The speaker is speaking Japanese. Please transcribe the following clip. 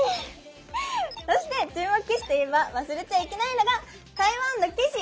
そして注目棋士といえば忘れちゃいけないのが台湾の棋士